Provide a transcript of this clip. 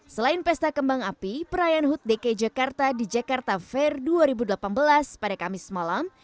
selain pesta kembang api perayaan hut dki jakarta di jakarta fair dua ribu delapan belas pada kamis malam